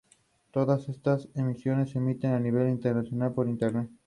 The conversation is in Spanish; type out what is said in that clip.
En la primavera migran hacia lugares con abundancia de alimento, donde depositan sus huevos.